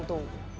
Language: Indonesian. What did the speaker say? ya belum atu